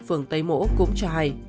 phường tây mỗ cũng cho hay